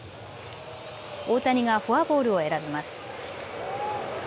大谷がフォアボールを選びます。